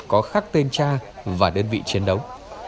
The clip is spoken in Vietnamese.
có khắc tên cha và đơn vị chiến đấu